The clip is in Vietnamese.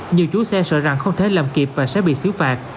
nhiều chú xe sợ rằng không thể làm kịp và sẽ bị xứ phạt